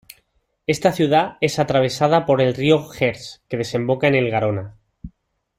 Esta ciudad es atravesada por el río Gers, que desemboca en el Garona.